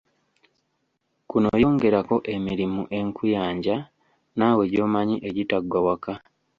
Kuno yongerako emirimu enkuyanja naawe gy'omanyi egitaggwa waka.